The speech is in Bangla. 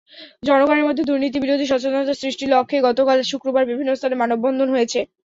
জনগণের মধ্যে দুর্নীতিবিরোধী সচেতনতা সৃষ্টির লক্ষ্যে গতকাল শুক্রবার বিভিন্ন স্থানে মানববন্ধন হয়েছে।